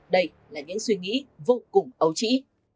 đây là những suy nghĩ vô cùng ấu trĩ